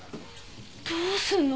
どうすんの！？